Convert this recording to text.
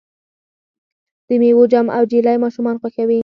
د میوو جام او جیلی ماشومان خوښوي.